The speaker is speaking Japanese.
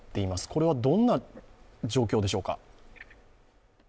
これはどんな状況でしょうか。